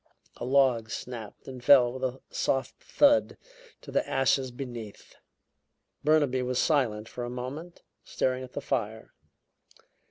A log snapped and fell with a soft thud to the ashes beneath. Burnaby was silent for a moment, staring at the fire.